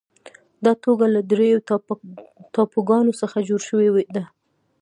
دا ټولګه له درېو ټاپوګانو څخه جوړه شوې ده.